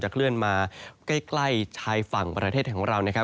เคลื่อนมาใกล้ชายฝั่งประเทศของเรานะครับ